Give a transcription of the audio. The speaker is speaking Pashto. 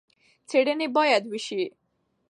څېړنې باید وشي.